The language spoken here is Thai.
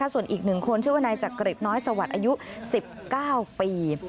ส่วนอีกหนึ่งคนชื่อว่านายจักริบน้อยสวรรค์อายุ๑๙ปี